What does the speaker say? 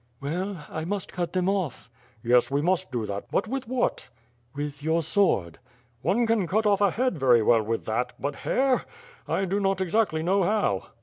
'^" "Well? 1 must cut them off?" * "Yes, we must do that, but what with?" "AVith your sword," "One can cut off a head very well with that, but hair — I do not exactly know how."